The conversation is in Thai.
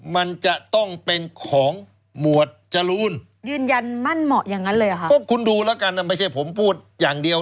มีพยานมาใหม่เรื่อย